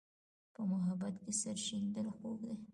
په محبت کې سر شیندل خوږ دي.